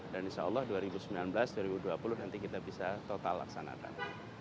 dan insya allah dua ribu sembilan belas dua ribu dua puluh nanti kita bisa total laksanakan